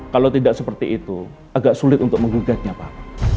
kalau tidak seperti itu agak sulit untuk menggugatnya pak